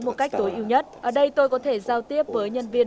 một cách tối ưu nhất ở đây tôi có thể giao tiếp với nhân viên